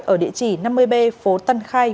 ở địa chỉ năm mươi b phố tân khai